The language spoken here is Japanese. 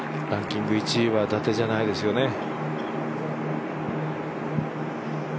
ランキング１位はだてじゃないですよね。